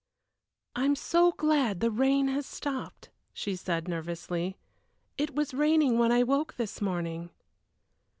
"I am so glad the rain has stopped," she said, nervously. "It was raining when I woke this morning."